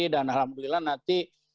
dan alhamdulillah nanti